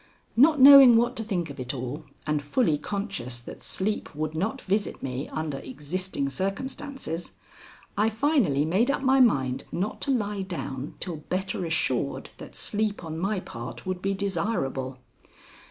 Not knowing what to think of it all, and fully conscious that sleep would not visit me under existing circumstances, I finally made up my mind not to lie down till better assured that sleep on my part would be desirable.